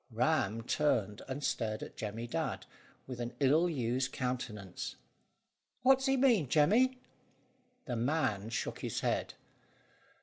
Ram turned, and stared at Jemmy Dadd with an ill used countenance. "What does he mean, Jemmy?" The man shook his head.